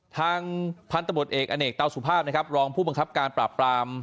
ทางพันธบทเอกอเนกเตาสุภาพนะครับรองผู้บังคับการปราบปราม